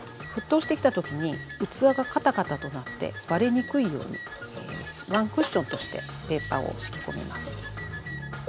沸騰してきた時に器がカタカタとなって割れにくいようにワンクッションとしてペーパーを敷き込みます。